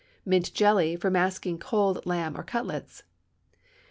Mint Jelly for masking cold lamb or cutlets.